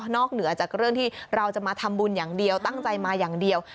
เหนือจากเรื่องที่เราจะมาทำบุญอย่างเดียวตั้งใจมาอย่างเดียว